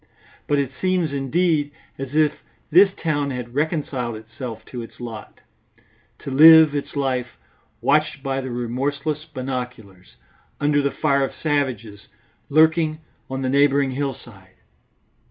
But it seems, indeed, as if this town had reconciled itself to its lot, to live its life watched by the remorseless binoculars, under the fire of savages lurking on the neighbouring hillside.